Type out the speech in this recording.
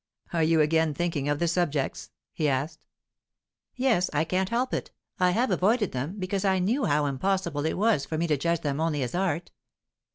"Are you again thinking of the subjects?" he asked. "Yes. I can't help it. I have avoided them, because I knew how impossible it was for me to judge them only as art."